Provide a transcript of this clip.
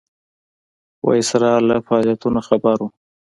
ویسرا له فعالیتونو خبر وو.